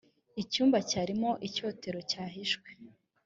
icyumba cyarimo icyotero cyahishwe